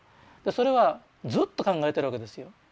それはずっと考えてるわけですよ。